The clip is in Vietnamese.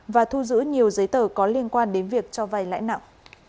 và thu giữ nhiều giấy tờ có liên quan đến việc cho vay lãi nặng